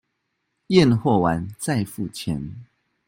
驗貨完再付錢